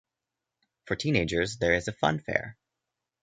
For teenagers, there is a funfair.